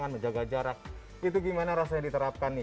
pastinya harus pintar pintar lihat objeknya ya